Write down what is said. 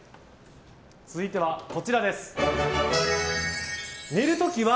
続いては、こちらです。